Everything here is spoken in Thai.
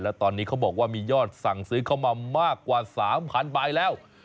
แล้วตอนนี้เขาบอกว่ามียอดสั่งซื้อเข้ามามากกว่า๓๐๐ใบแล้ว